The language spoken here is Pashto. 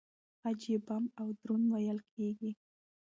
خج يې بم او دروند وېل کېږي.